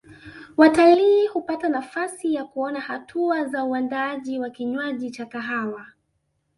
Watalii hupata nafasi ya kuona hatua za uandaaji wa kinywaji cha kahawa